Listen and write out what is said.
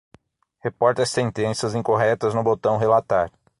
Reporte as sentenças incorretas no botão "relatar"